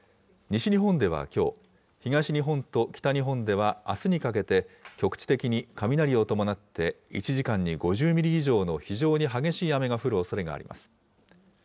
西日本ではきょう、東日本と北日本ではあすにかけて、局地的に雷を伴って１時間に５０ミリ以上の非常に激しい雨が降るおそれがあります。